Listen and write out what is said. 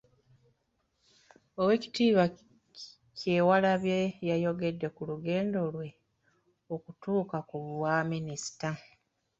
Oweekitiibwa Kyewalabye ayogedde ku lugendo lwe okutuuka ku Bwa minisita.